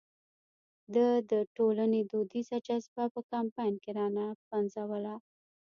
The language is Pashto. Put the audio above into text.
ده د ټولنې دودیزه جذبه په کمپاین کې را نه پنځوله.